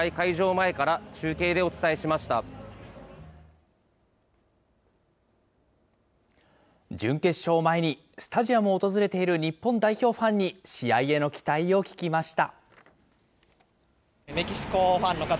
前から中継でお準決勝前にスタジアムを訪れている日本代表ファンに試合への期待を聞きました。